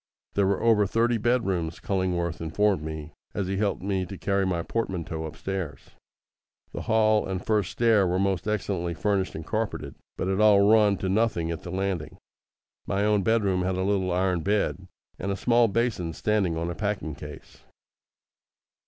There were over thirty bedrooms, Cullingworth informed me, as he helped me to carry my portmanteau upstairs. The hall and first stair were most excellently furnished and carpetted, but it all run to nothing at the landing. My own bedroom had a little iron bed, and a small basin standing on a packing case.